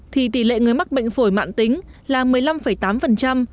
thì tỷ lệ người mắc bệnh phổi mạng tính là một mươi năm tám